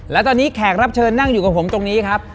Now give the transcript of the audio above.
และตอนนี้แขกรับเชิญนั่งอยู่กับผมตรงนี้ครับ